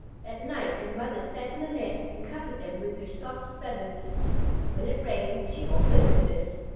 At night their mother sat in the nest and covered them with her soft feathers. When it rained she also did this.